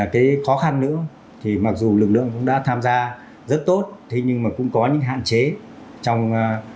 cái khó khăn nữa thì mặc dù lực lượng cũng đã tham gia rất tốt thế nhưng mà cũng có những hạn chế trong